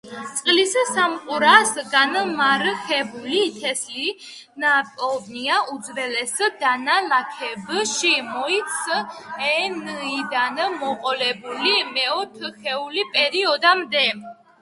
წყლის სამყურას განამარხებული თესლი ნაპოვნია უძველეს დანალექებში მიოცენიდან მოყოლებული მეოთხეულ პერიოდამდე.